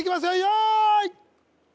用意